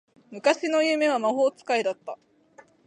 昔の夢は魔法使いだった